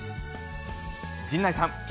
陣内さん。